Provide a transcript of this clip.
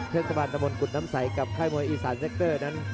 เทศบาลตะมนตกุฎน้ำใสกับค่ายมวยอีสานเซคเกอร์นั้น